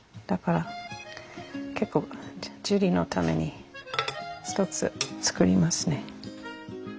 だから結構ジュリのために一つつくりますね。